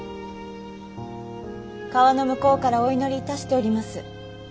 川の向こうからお祈りいたしております。